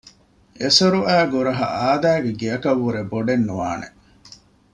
އެސޮރުއައި ގުރަހަ އާދައިގެ ގެއަކަށްވުރެ ބޮޑެއް ނުވާނެ